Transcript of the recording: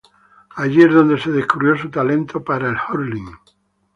Allí es donde se descubrió su talento para el "hurling".